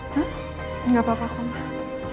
hah gak papa papa mbak